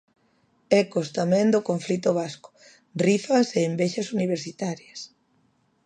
Ecos tamén do conflito vasco, rifas e envexas universitarias.